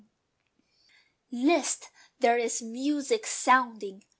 _ List! there is music sounding!